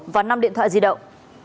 và năm điện thoại di động